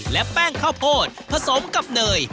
และแป้งข้าวโพดผสมกับเนย